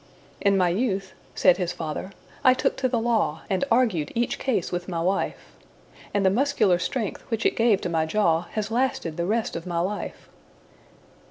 "In my youth," said his fater, "I took to the law, And argued each case with my wife; And the muscular strength, which it gave to my jaw, Has lasted the rest of my life."